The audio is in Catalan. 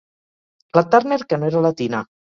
La Turner que no era la Tina.